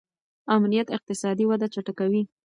امنیت اقتصادي وده چټکوي.